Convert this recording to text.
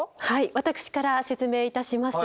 私から説明いたします。